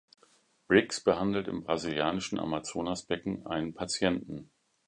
Briggs behandelt im brasilianischen Amazonasbecken einen Patienten.